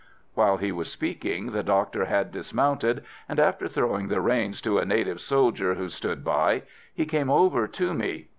While he was speaking, the doctor had dismounted, and, after throwing the reins to a native soldier who stood by, he came over to me.